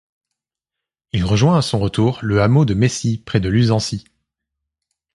Il rejoint à son retour le hameau de Messy près de Luzancy.